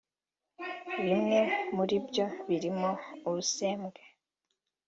Bimwe muri byo birimo ubusembwa